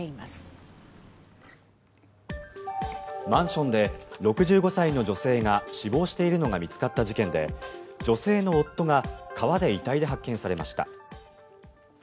マンションで６５歳の女性が死亡しているのが見つかった事件で女性の夫が川で遺体で発見されました。